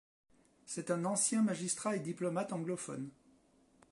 C'est un ancien magistrat et diplomate anglophone.